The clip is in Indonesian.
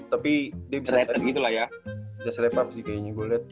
tapi dia bisa setepap sih kayaknya gue liat